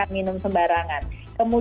ini pandemi kelihatan utama sekaligus